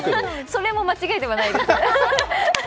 それも間違いではないです。